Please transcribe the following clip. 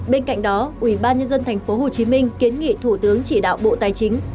bên cạnh đó ủy ban nhân dân tp hcm kiến nghị thủ tướng chỉ đạo bộ tài chính